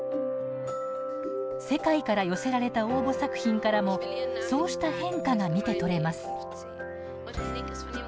世界から寄せられた応募作品からもそうした変化が見て取れます。